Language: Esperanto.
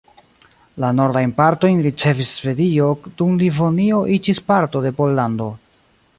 La nordajn partojn ricevis Svedio, dum Livonio iĝis parto de Pollando.